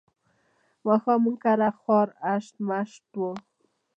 ماښام زموږ کره خوار هشت و مشت وو.